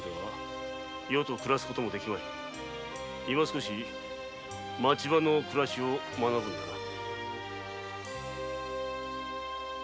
少し町場の暮らしを学ぶのだな。